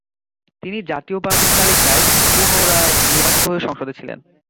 তিনি জাতীয় পার্টির তালিকায় পুনরায় নির্বাচিত হয়ে সংসদে ছিলেন।